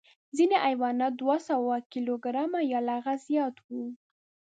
ځینې حیوانات دوه سوه کیلو ګرامه یا له هغه زیات وو.